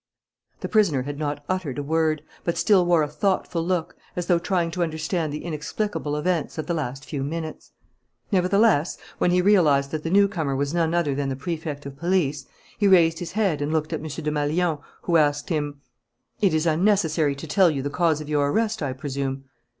The prisoner had not uttered a word, but still wore a thoughtful look, as though trying to understand the inexplicable events of the last few minutes. Nevertheless, when he realized that the newcomer was none other than the Prefect of Police, he raised his head and looked at M. Desmalions, who asked him: "It is unnecessary to tell you the cause of your arrest, I presume?"